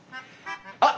あっ！